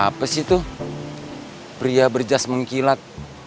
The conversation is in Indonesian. siapa sih tuh pria berjas mengkilat